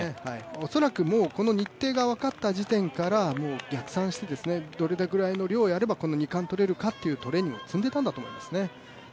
恐らくもうこの日程が分かった時点から逆算して、どのぐらいの量をやれば２冠とれるかというトレーニングを積んでいたんだと思いますね。